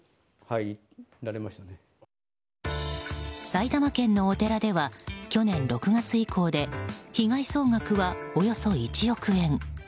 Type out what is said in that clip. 埼玉県のお寺では去年６月以降で被害総額は、およそ１億円。